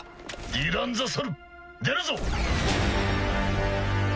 ディランザ・ソル出るぞ。